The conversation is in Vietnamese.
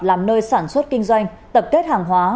làm nơi sản xuất kinh doanh tập kết hàng hóa